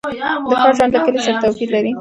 د ښار ژوند له کلي سره توپیر لري.